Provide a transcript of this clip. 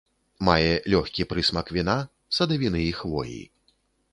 Мае лёгкі прысмак віна, садавіны і хвоі.